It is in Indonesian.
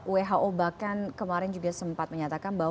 who bahkan kemarin juga sempat menyatakan bahwa